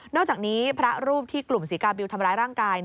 อกจากนี้พระรูปที่กลุ่มศรีกาบิวทำร้ายร่างกาย